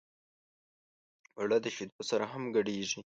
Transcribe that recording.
اوړه د شیدو سره هم ګډېږي